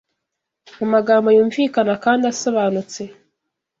mu magambo yumvikana kandi asobanutse,